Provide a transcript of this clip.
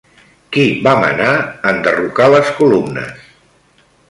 Qui va manar enderrocar les columnes?